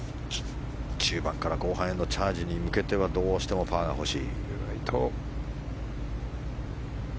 中盤から後半へのチャージに向けてはどうしてもパーが欲しい。